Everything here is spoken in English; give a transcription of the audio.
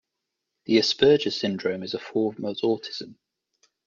The Asperger syndrome is a form of autism.